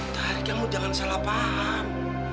tarik kamu jangan salah paham